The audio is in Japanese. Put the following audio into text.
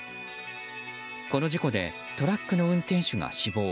この事故でトラックの運転手が死亡。